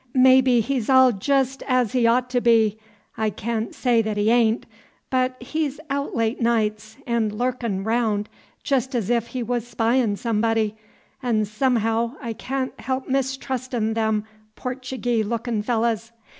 Maybe he's all jest 'z he ought to be, I caan't say that he a'n't, but he's aout late nights, 'n' lurkin' raonn' jest 'z ef he was spyin' somebody, 'n' somehaow I caan't help mistrustin' them Portagee lookin' fellahs.